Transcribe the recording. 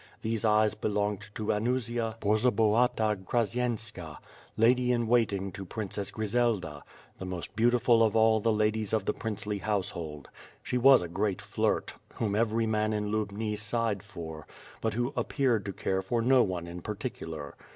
These eyes belonged to Anusia Bor zobahata Khrasyenska, lady in waiting to Princess Grizelda; the most beautiful of all the ladies of the princely household. She was a great flirt, whom every man in Lubni sighed for, but who appeared to care for no one in particular.